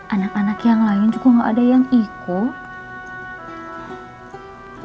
anak anak yang lain juga gak ada yang ikut